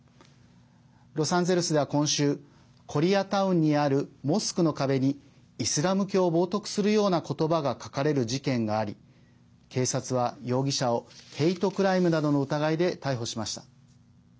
ロサンゼルスでは今週コリアタウンにあるモスクの壁にイスラム教を冒とくするような言葉が書かれる事件があり警察は、容疑者をヘイトクライムなどの疑いで逮捕しました。